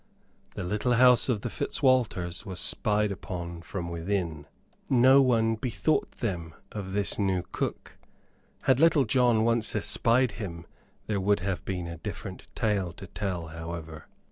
The little house of the Fitzwalters was spied upon from within. No one bethought them of this new cook. Had Little John once espied him there would have been a different tale to tell, however.